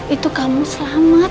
itu kamu selamat